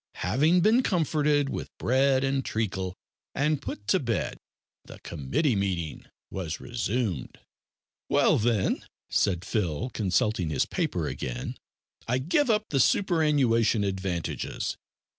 Having been comforted with bread and treacle, and put to bed, the committee meeting was resumed. "Well, then," said Phil, consulting his paper again, "I give up the superannuation advantages.